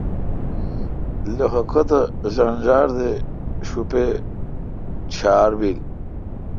لخہ کتہ ݫنݫار تے شوپے تے ڄھار بیل۔